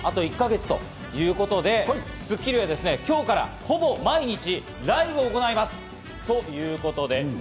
あと１か月ということで、『スッキリ』は今日からほぼ毎日、ライブを行います。